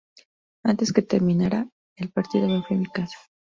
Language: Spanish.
Antes que terminará el partido me fui a mi casa.